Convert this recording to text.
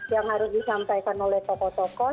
yang harus disampaikan oleh tokoh tokoh